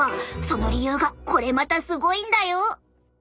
その理由がこれまたすごいんだよ！